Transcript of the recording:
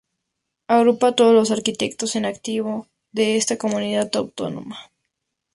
Agrupa a todos los arquitectos en activo de esta comunidad autónoma.